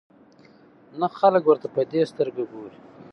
نه خلک ورته په دې سترګه ګوري.